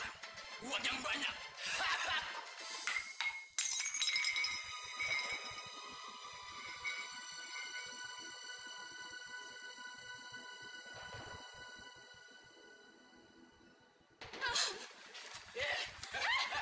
banyak banyak minuman ya